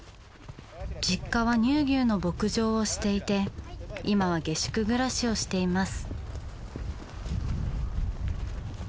実家は乳牛の牧場をしていて今は下宿暮らしをしています。